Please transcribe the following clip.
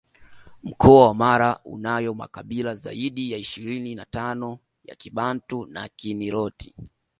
Mkoa wa Mara unayo makabila zaidi ya ishirini na tano ya Kibantu na Kiniloti